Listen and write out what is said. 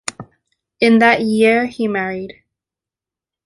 In that year he married.